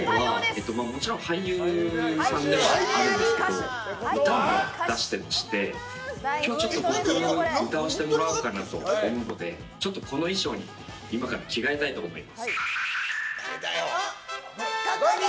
彼はもちろん俳優さんなんですけど歌も出していまして今日は、僕歌わせてもらおうかなと思うのでこの衣装に今から着替えたいと思います。